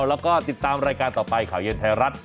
แล้วก็ติดตามรายการต่อไปข่าวเย็นไทยรัฐ